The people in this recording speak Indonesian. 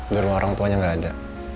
darima orang tuanya ga ada